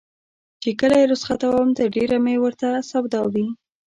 چې کله یې رخصتوم تر ډېره مې ورته سودا وي.